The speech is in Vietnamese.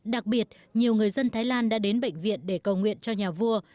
đặc biệt nhiều người dân thái lan đã đến bệnh viện để cầu nguyện cho nhà vua